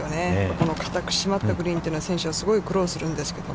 この硬く締まったグリーンというのは、選手はすごく苦労するんですけれども。